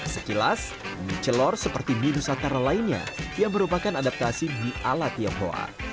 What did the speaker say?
sekilas mie celor seperti mie nusantara lainnya yang merupakan adaptasi mie ala tionghoa